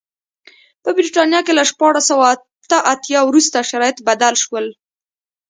په برېټانیا کې له شپاړس سوه اته اتیا وروسته شرایط بدل شول.